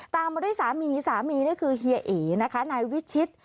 ตามมาด้วยสามีสามีนี่คือเฮียเอนะคะนายวิชิต